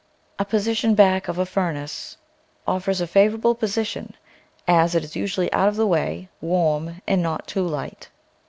A position back of a furnace offers a favour able position, as it is usually out of the way, warm, and not too light.